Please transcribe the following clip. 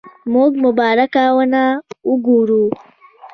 موږ مبارکه ونه وګورو.